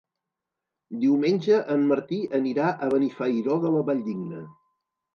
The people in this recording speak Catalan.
Diumenge en Martí anirà a Benifairó de la Valldigna.